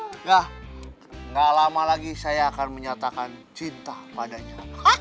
enggak enggak lama lagi saya akan menyatakan cinta padanya